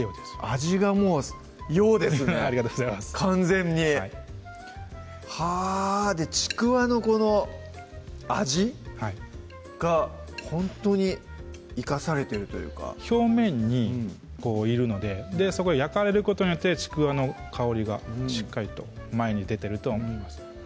味がもう洋ですねありがとうございます完全にはぁちくわのこの味がほんとに生かされてるというか表面にいるので焼かれることによってちくわの香りがしっかりと前に出てるとは思います